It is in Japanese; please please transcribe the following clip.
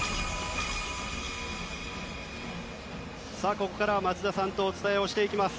ここからは松田さんとお伝えしていきます。